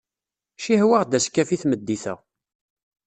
Cihwaɣ-d askaf i tmeddit-a.